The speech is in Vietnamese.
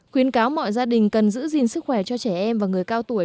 khuyến cáo mọi gia đình cần giữ gìn sức khỏe cho trẻ em và người cao tuổi